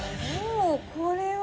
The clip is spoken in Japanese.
これは？